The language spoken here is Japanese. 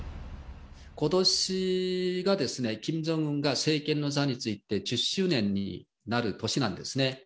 ことしが、キム・ジョンウンが政権の座に就いて１０周年になる年なんですね。